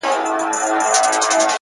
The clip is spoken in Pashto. په لس ګونو چي مي خپل خپلوان وژلي٫